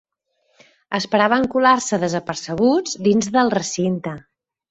Esperaven colar-se desapercebuts dins del recinte.